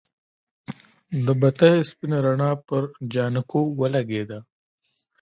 د بتۍ سپينه رڼا پر جانکو ولګېده.